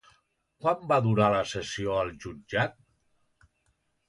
Quant va durar la sessió al jutjat?